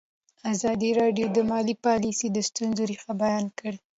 ازادي راډیو د مالي پالیسي د ستونزو رېښه بیان کړې.